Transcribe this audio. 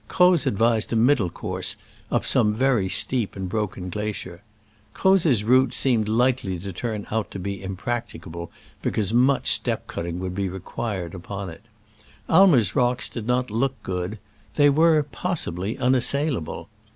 Croz advised a middle course, up some very steep and broken glacier. Croz's route seemed likely to turn out to be im practicable, because much step cutting would be required upon it. Aimer's rocks did not look good : they were, pos sibly, unassailable.